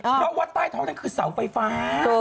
เพราะว่าใต้ท้องนั่นคือเสาไฟฟ้า